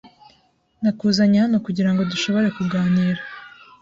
Nakuzanye hano kugirango dushobore kuganira.